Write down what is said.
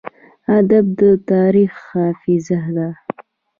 ادب د تاریخ حافظه ده.